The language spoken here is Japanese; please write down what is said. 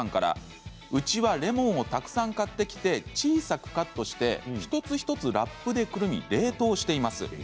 うちはレモンをたくさん買ってきて、小さくカットして一つ一つラップでくるみ冷凍しています。